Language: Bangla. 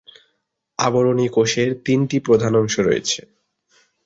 আবরণী কোষের তিনটি প্রধান অংশ রয়েছে।